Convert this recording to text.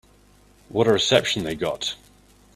What a reception they got.